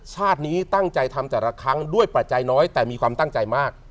ชาตินี้ตั้งใจทำแต่ละครั้งด้วยปัจจัยน้อยแต่มีความตั้งใจมาก